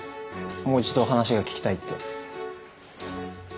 もう一度話が聞きたいって。